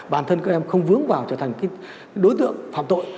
bản thân các em không vướng vào trở thành đối tượng phạm tội